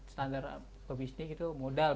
standar komisik itu modal